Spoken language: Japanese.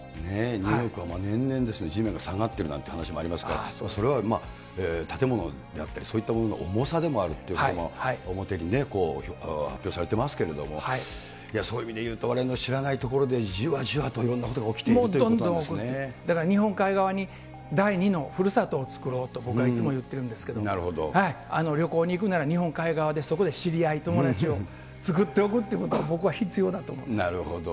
ニューヨークは年々地面が下がってるなんていう話もありますから、それは建物であったり、そういったものの重さでもあるということも表にね、発表されてますけれども、そういう意味でいうと、われわれの知らないところでじわじわといろんなことが起きているもうどんどん、日本海側に第２のふるさとを作ろうと、僕はいつも言ってるんですけれども、旅行に行くなら、日本海側で、そこで知り合い、友達を作っておくということも、僕は必要だと思なるほど。